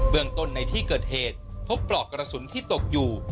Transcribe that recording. เมืองต้นในที่เกิดเหตุพบปลอกกระสุนที่ตกอยู่